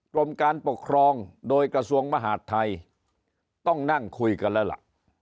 กรมการปกครองโดยกระทรวงมหาดไทยต้องนั่งคุยกันแล้วล่ะ